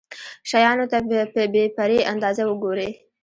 شيانو ته په بې پرې انداز وګوري.